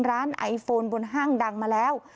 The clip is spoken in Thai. ร้านไอโฟนบนห้างดังมาแล้ว